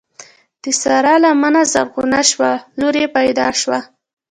د سارا لمنه زرغونه شوه؛ لور يې پیدا شوه.